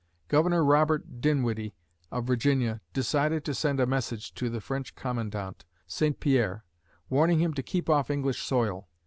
Governor Robert Dinwiddie of Virginia decided to send a message to the French commandant, Saint Pierre, warning him to keep off English soil.